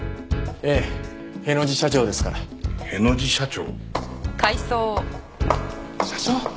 ええへの字社長ですから。への字社長？社長！